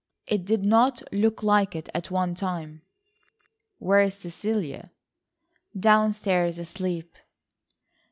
It did not look like it, at one time." "Where is Cecilia?" "Down stairs asleep."